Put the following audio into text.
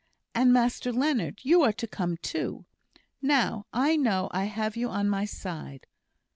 And, Master Leonard! you are to come too. Now, I know I have you on my side."